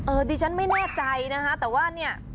เออดิฉันไม่แน่ใจนะฮะแต่ว่านี่